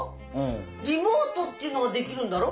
リモートっていうのができるんだろう？